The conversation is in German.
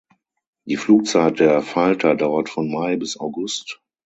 Die Flugzeit der Falter dauert von Mai bis August.